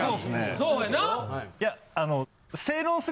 そうやな。